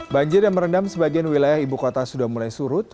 banjir yang merendam sebagian wilayah ibu kota sudah mulai surut